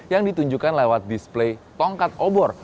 yang ditunjukkan lewat display tongkat obor